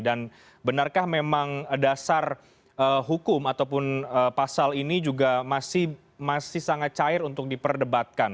dan benarkah memang dasar hukum ataupun pasal ini juga masih sangat cair untuk diperdebatkan